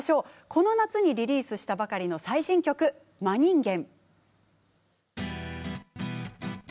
この夏にリリースしたばかりの最新曲「マ人間」。